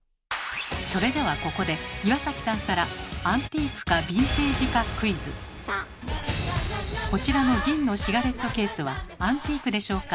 それではここで岩崎さんからこちらの銀のシガレットケースはアンティークでしょうか？